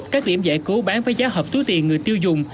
các điểm giải cố bán với giá hợp túi tiền người tiêu dùng